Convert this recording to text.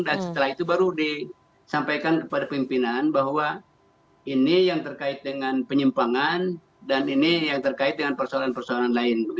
dan setelah itu baru disampaikan kepada pimpinan bahwa ini yang terkait dengan penyimpangan dan ini yang terkait dengan persoalan persoalan lain